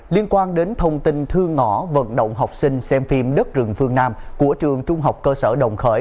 liên quan đến thông tin thư ngõ vận động học sinh xem phim đất rừng phương nam của trường trung học cơ sở đồng khởi